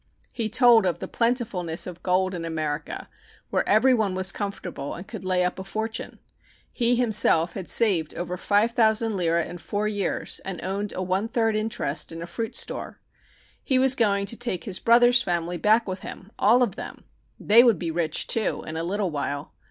He told of the plentifulness of gold in America, where every one was comfortable and could lay up a fortune. He himself had saved over five thousand lire in four years and owned a one third interest in a fruit store. He was going to take his brother's family back with him all of them. They would be rich, too, in a little while.